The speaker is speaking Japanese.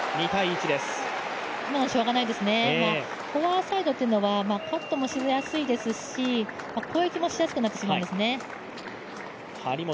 今のはしょうがないですね、フォアサイドというのはカットもしやすいですし攻撃もしやすくなってしまうんですね。